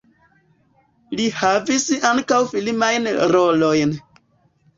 Li havis ankaŭ filmajn rolojn.